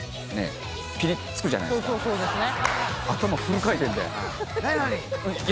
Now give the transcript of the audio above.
そうですね。